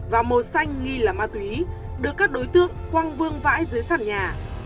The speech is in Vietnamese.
và màu xanh nghi là ma túy được các đối tượng quăng vương vãi dưới sàn nhà